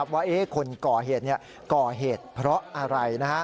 ว่าคนก่อเหตุก่อเหตุเพราะอะไร